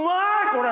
これ！